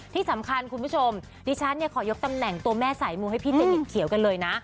ที่สำคัญคุณผู้ชมดิฉันเนี่ยขอยกตำแหน่งตัวแม่สายมูให้พี่เดวิดเขียวกันเลยนะ